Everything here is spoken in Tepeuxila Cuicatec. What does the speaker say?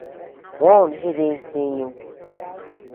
Juó jidis ntiñu.